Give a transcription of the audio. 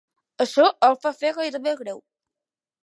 Això el fa fer gairebé greu.